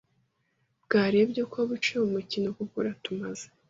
bwarebye uko buca uyu mukino kuko uratumaze